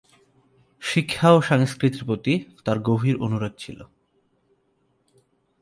শিক্ষা ও সংস্কৃতির প্রতি তার গভীর অনুরাগ ছিল।